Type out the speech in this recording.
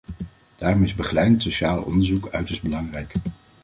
Daarom is begeleidend sociaal onderzoek uiterst belangrijk.